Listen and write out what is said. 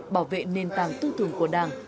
bảo vệ nền tảng tư thường của đảng